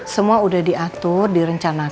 semoga mereka percaya